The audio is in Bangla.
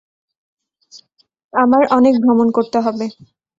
আমার অনেক ভ্রমন করতে হবে।